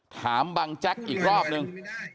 ถามบังแจ๊กอีกรอบนึง